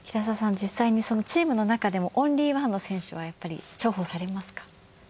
実際にチームのなかでもオンリーワンの選手はやっぱり重宝されますか？